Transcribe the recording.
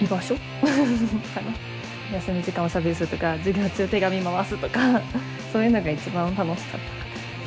休み時間おしゃべりするとか授業中手紙回すとかそういうのが一番楽しかったかな。